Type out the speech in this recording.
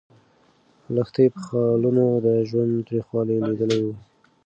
لښتې په خالونو د ژوند تریخوالی لیدلی و.